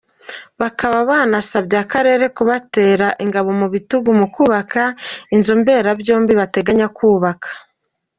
Bakaba banasabye akarere kubatera ingabo mu bitugu mu kubaka inzu mbera byombi bategenya kubaka.